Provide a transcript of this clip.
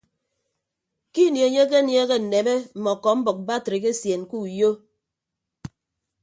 Ke ini enye akenieehe nneme mme ọkọmbʌk batrik esien ke uyo.